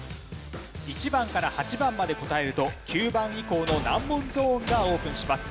１番から８番まで答えると９番以降の難問ゾーンがオープンします。